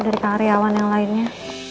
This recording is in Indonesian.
dari karyawan yang lainnya